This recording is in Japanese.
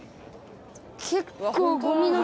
結構ゴミの。